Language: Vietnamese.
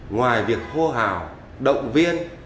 ngoài việc hô hào động viên